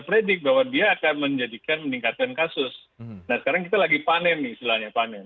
predik bahwa dia akan menjadikan meningkatkan kasus nah sekarang kita lagi panen istilahnya panen